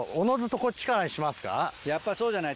やっぱそうじゃない？